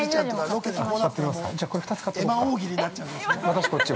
◆私、こっちを。